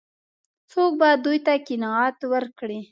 څوک به دوی ته قناعت ورکړي؟